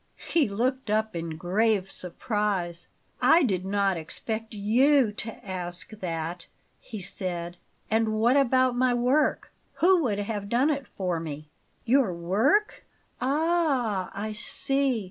He looked up in grave surprise. "I did not expect YOU to ask that," he said. "And what about my work? Who would have done it for me?" "Your work Ah, I see!